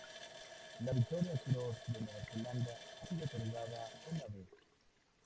La Victoria Cross de Nueva Zelanda ha sido otorgada una vez.